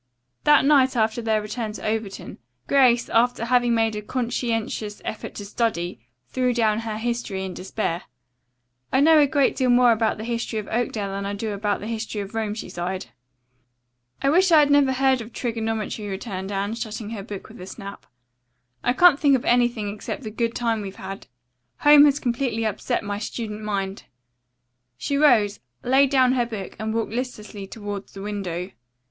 The night after their return to Overton, Grace, after having made a conscientious effort to study, threw down her history in despair. "I know a great deal more about the history of Oakdale than I do about the history of Rome," she sighed. "I wish I had never heard of trigonometry," returned Anne, shutting her book with a snap. "I can't think of anything except the good time we've had. Home has completely upset my student mind." She rose, laid down her book and walked listlessly toward the window.